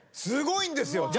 すごいですよ。